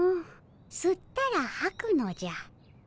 すったらはくのじゃ。